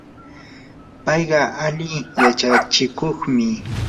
payqa ali yachachikuqmi.